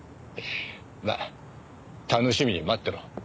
まあ楽しみに待ってろ。